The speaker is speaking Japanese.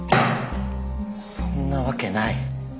そんなわけない。